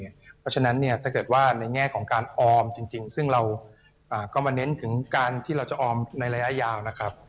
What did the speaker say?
เพราะฉะนั้นเนี่ยถ้าเกิดว่าในแง่ของการออมจริงซึ่งเราก็มาเน้นถึงการที่เราจะออมในระยะยาวนะครับ